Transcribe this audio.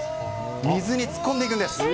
水に突っ込んでいくんです。